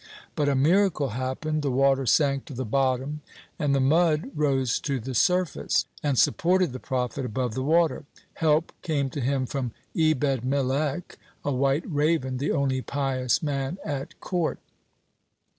But a miracle happened. The water sank to the bottom, and the mud rose to the surface, and supported the prophet above the water. Help came to him from Ebed melech, a "white raven," the only pious man at court.